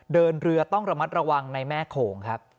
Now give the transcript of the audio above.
เดินเรือต้องระมัดระวังในแม่โขงครับ